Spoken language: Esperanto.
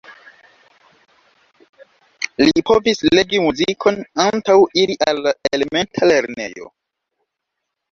Li povis legi muzikon antaŭ iri al la elementa lernejo.